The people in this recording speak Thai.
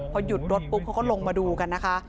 พอหยุดรถก็ลงมาดูกันนะคะ